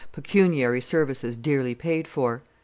pecuniary services dearly paid for.